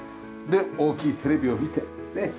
で大きいテレビを見てねえ。